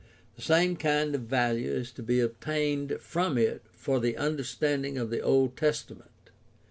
The same kind of value is to be obtained from it for the understanding of the Old Testament.